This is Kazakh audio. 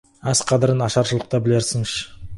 Ac қадірін ашаршылықта білерсің.